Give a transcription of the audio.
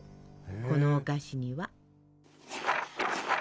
このお菓子には。